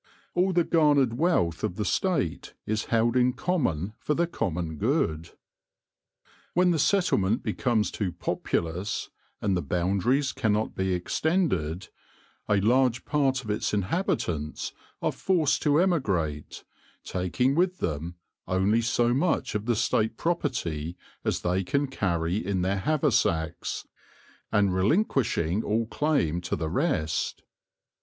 All the garnered wealth of the State is held in common for the common good. When the settlement becomes too populous, and the boundaries cannot be extended, a large part of its inhabitants are forced to emigrate, taking with them only so much of the state property as they can carry in their haversacks, and relinquishing all claim to the rest.